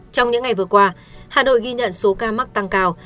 trong những ngày vừa qua hà nội ghi nhận số ca mắc tăng cao